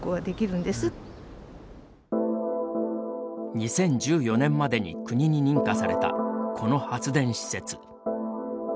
２０１４年までに国に認可されたこの発電施設。